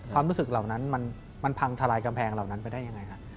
ความรู้สึกเหล่านั้นมันพังทลายกำแพงเหล่านั้นไปได้ยังไงครับ